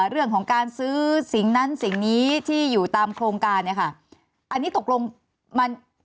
เรื่องของการซื้อสิ่งนั้นสิ่งนี้ที่อยู่ตามโครงการเนี่ยค่ะอันนี้ตกลงมัน